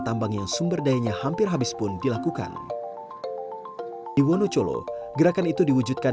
tambang yang sumber dayanya hampir habis pun dilakukan di wonocolo gerakan itu diwujudkan